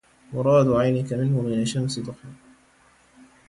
مراد عينك منه بين شمس ضحى